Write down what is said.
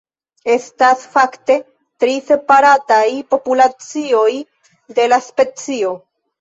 Estas fakte tri separataj populacioj de la specio.